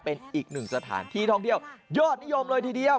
เป็นอีกหนึ่งสถานที่ท่องเที่ยวยอดนิยมเลยทีเดียว